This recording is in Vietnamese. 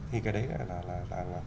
thì cái đấy là